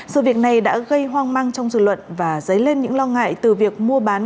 sự việc này đã gây hoang mang trong dự luận và dấy lên những lo ngại từ việc mua bán